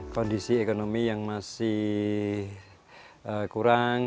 kondisi ekonomi yang masih kurang